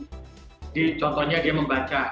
jadi contohnya dia membaca